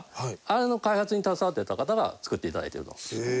あれの開発に携わっていた方が作っていただいてると。